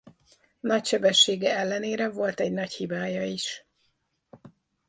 Nagy sebessége ellenére volt egy nagy hibája is.